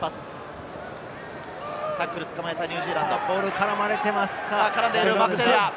ボールに絡まれています。